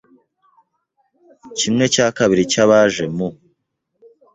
kimwe cya kabiri cy abaje mu